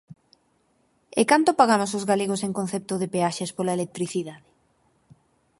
¿E canto pagamos os galegos en concepto de peaxes pola electricidade?